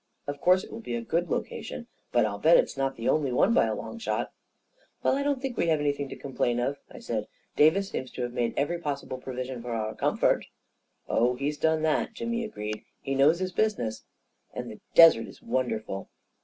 Of course it will be a good location, but I'll bet it's not the only one by a long shot 1 "" Well, I don't think we have anything to com* plain of," I said " Davis seems to have made every possible provision for our comfort." "Oh, he's done that," Jimmy agreed. "He knows his business." " And the desert is wonderful."